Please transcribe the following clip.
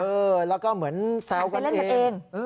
เออแล้วก็เหมือนแซวกันเอง